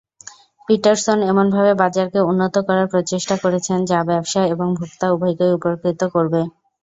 Pietersen এমনভাবে বাজারকে উন্নত করার প্রচেষ্টা করেছেন যা ব্যবসা এবং ভোক্তা উভয়কেই উপকৃত করবে।